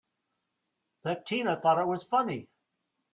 That Tina thought it was funny!